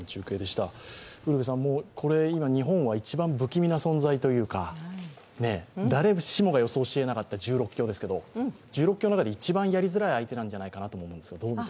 今、日本は一番不気味な存在というか誰しもが予想しえなかった１６強ですけれども１６強の中で一番やりづらい相手なんじゃないかと思います。